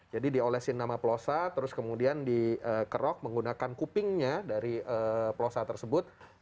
jadi diolesin nama plosa terus kemudian dikerok menggunakan kupingnya dari plosa tersebut